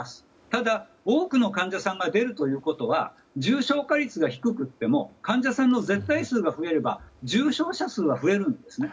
ただ、多くの患者さんが出るということは重症化率が低くても患者さんの絶対数が増えれば重症者数は増えるんですね。